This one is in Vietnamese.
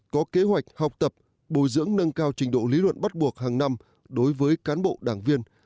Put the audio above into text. có kế hoạch học tập bồi dưỡng nâng cao trình độ lý luận bắt buộc hàng năm đối với cán bộ đảng viên